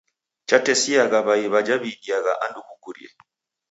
Chatesiagha w'ai w'aja w'iidiaa andu kukurie.